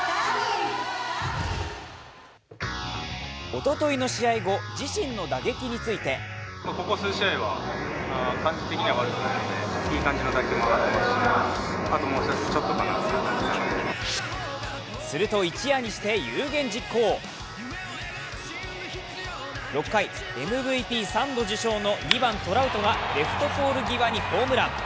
おとといの試合後自身の打撃についてすると、一夜にして有言実行６回、ＭＶＰ３度受賞の２版・トラウトがレフト際にホームラン。